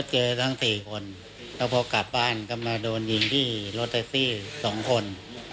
เจอทั้ง๔คนแล้วพอกลับบ้านก็มาโดนยิงที่รถแท็กซี่๒คน